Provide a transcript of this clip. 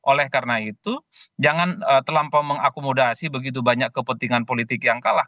oleh karena itu jangan terlampau mengakomodasi begitu banyak kepentingan politik yang kalah